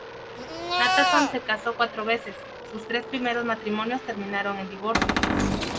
Nathanson se casó cuatro veces; sus tres primeros matrimonios terminaron en divorcio.